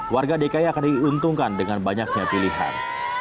warga dki akan diuntungkan dengan banyaknya pilihan